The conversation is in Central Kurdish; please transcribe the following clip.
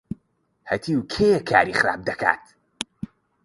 هەتیو کێیە کاری خراپ دەکا؟